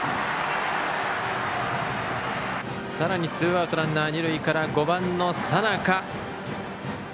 さらにツーアウトランナー、二塁から５番の佐仲。